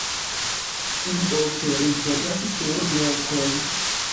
Ili ofte ripozas sur rokoj.